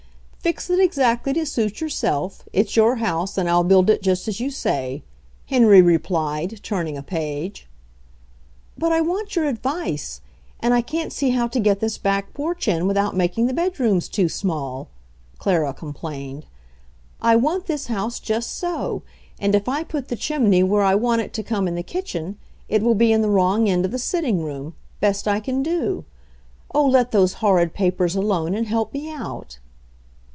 "Fix it exactly to suit yourself. It's your house, and I'll build it just as you say," Henry replied, turning a page. "But I want your advice — and I can't see how to get thi9 back porch in without making the bed rooms too small," Clara complained. "I want this house just so— and if I put the chimney where I want it to come in the kitchen, it will be in the wrong end of the sitting room, best I can do. Oh, let those horrid papers alone, and help me out!"